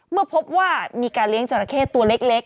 เมื่อพบว่ามีการเลี้ยงจราเข้ตัวเล็ก